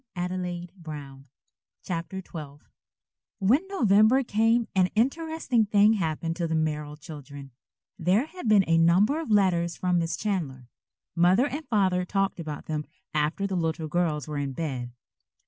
"I did," said Mrs. Merrill. CHAPTER XII A BUSY SATURDAY When November came, an interesting thing happened to the Merrill children. There had been a number of letters from Miss Chandler. Mother and Father talked about them after the little girls were in bed.